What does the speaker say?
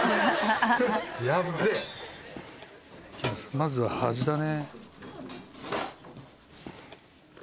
まずは端だね。